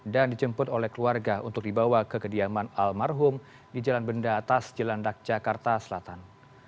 dan dijemput oleh keluarga untuk dibawa ke kediaman almarhum di jalan benda atas jelandak jakarta selatan